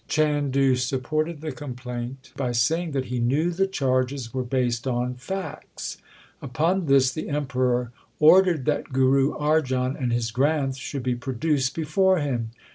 Chandu supported the complaint by saying that he knew the charges were based on facts. Upon this the Emperor ordered that Guru Arjan and his Granth should be produced before him.